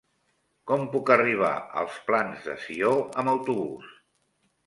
Com puc arribar als Plans de Sió amb autobús?